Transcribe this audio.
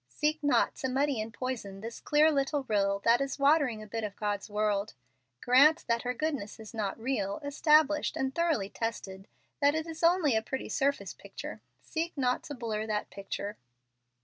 Seek not to muddy and poison this clear little rill that is watering a bit of God's world. Grant that her goodness is not real, established, and thoroughly tested that it is only a pretty surface picture. Seek not to blur that picture."